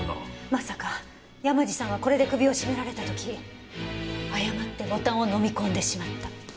まさか山路さんがこれで首を絞められた時誤ってボタンを飲み込んでしまった。